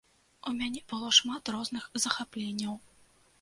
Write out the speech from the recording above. У мяне было шмат розных захапленняў.